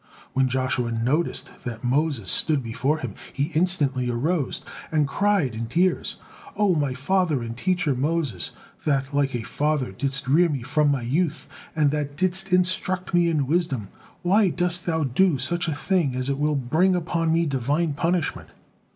When Joshua noticed that Moses stood before him, he instantly arose, and cried in tears: "O my father and teacher Moses, that like a father didst rear me from my youth, and that didst instruct me in wisdom, why dost thou do such a thing as will bring upon me Divine punishment?"